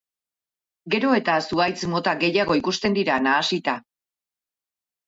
Gero eta zuhaitz mota gehiago ikusten dira nahasita.